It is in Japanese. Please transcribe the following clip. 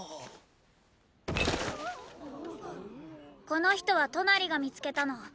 この人はトナリが見付けたの。